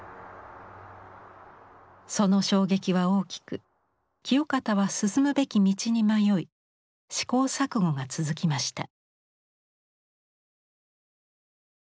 その衝撃は大きく清方は進むべき道に迷い試行錯誤が続きました。